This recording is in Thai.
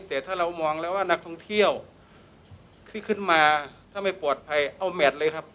แต่ถ้าเรามองแล้วว่านักท่องเที่ยวที่ขึ้นมาถ้าไม่ปลอดภัยเอาแมทเลยครับ